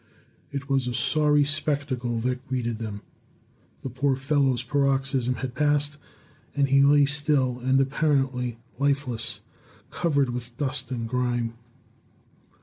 It was a sorry spectacle that greeted them. The poor fellow's paroxysm had passed, and he lay still and apparently lifeless, covered with dust and grime.